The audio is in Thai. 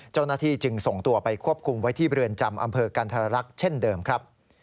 เจ้าหน้าที่จึงส่งตัวไปควบคุมไว้ที่เรือนจำอำเภอกันธรรักษ์เช่นเดิมครับ